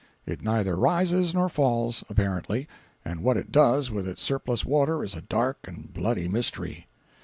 It neither rises nor falls, apparently, and what it does with its surplus water is a dark and bloody mystery.